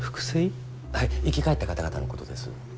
生き返った方々のことです。